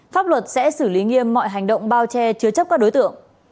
pháp luật sẽ xử lý nghiêm mọi hành động bao che chứa chấp các đối tượng